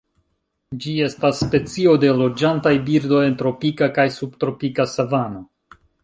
Ĝi estas specio de loĝantaj birdoj en tropika kaj subtropika savano.